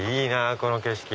この景色